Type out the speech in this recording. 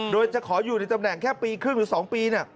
โดยจะขออยู่ในตำแหน่งแค่ปีครึ่งหรือ๒ปี